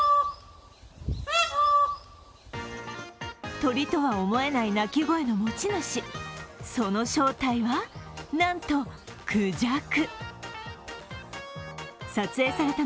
鳥とは思えない鳴き声の持ち主、その正体は、なんと、くじゃく！